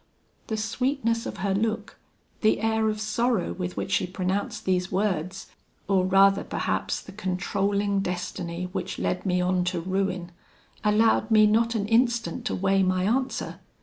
The sweetness of her look, the air of sorrow with which she pronounced these words, or rather perhaps the controlling destiny which led me on to ruin, allowed me not an instant to weigh my answer.